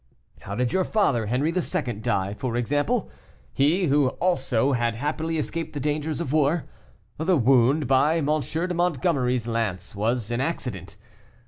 How did your father, Henri II., die, for example? He, who also had happily escaped the dangers of war. The wound by M. de Montgomery's lance was an accident.